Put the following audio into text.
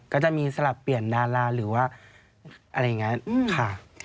ก็จะมีสลับเปลี่ยนดาราหรือว่าอะไรอย่างนี้ค่ะ